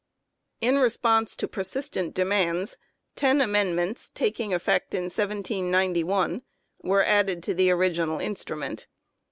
1 In response to persistent demands, ten Amendments, taking effect in 1791, were added to the original in strument.